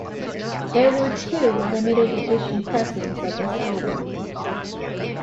There were two limited-edition pressings of this album.